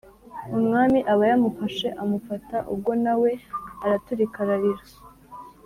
umwami aba yamufashe, amufata ubwo na we araturika ararira,